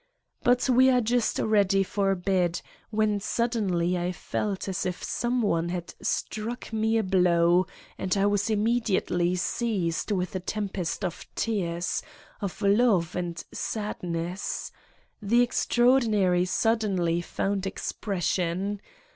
But we were just ready for bed when suddenly I felt as if some one had struck me a blow and 57 Satan's Diary I was immediately seized with a tempest of tears, of love and sadness. The extraordinary suddenly found expression.